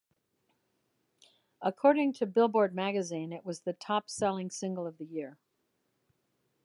According to "Billboard" magazine, it was the top-selling single of the year.